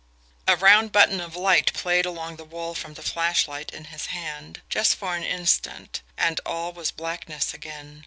A round button of light played along the wall from the flashlight in his hand just for an instant and all was blackness again.